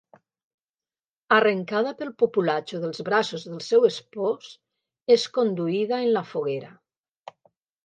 Arrencada pel populatxo dels braços del seu espòs, és conduïda en la foguera.